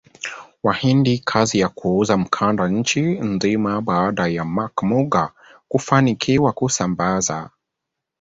Wahindi kazi ya kuuza mkanda nchi nzima Baada ya Mac Muga kufanikiwa kusambaza